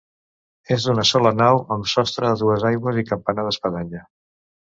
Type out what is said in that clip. És d'una sola nau amb sostre a dues aigües i campanar d'espadanya.